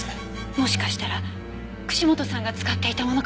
もしかしたら串本さんが使っていたものかもしれない。